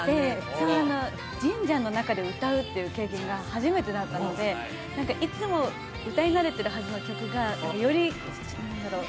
そうあの神社の中で歌うっていう経験が初めてだったので何かいつも歌い慣れてるはずの曲がより何だろう